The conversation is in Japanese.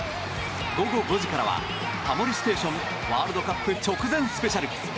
午後５時からは「タモリステーションワールドカップ直前スペシャル」